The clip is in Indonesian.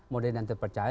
modern dan terpercaya